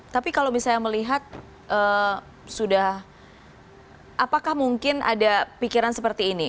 tapi kalau misalnya melihat sudah apakah mungkin ada pikiran seperti ini